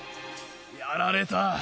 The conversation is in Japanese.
やられた。